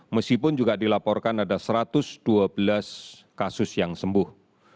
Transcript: meskipun juga dilaporkan ada satu ratus dua belas kasus yang sembuh